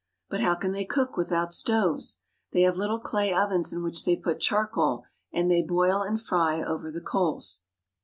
But how can they cook without stoves ? They have little clay ovens in which they put charcoal, and they boil and fry over the coals.